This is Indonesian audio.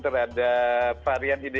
terhadap varian ini